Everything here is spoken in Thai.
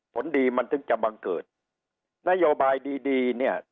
ผลดีมันถึงจะบังเกิดนโยบายดีดีเนี่ย